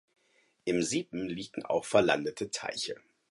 Im Siepen liegen auch verlandete Teiche.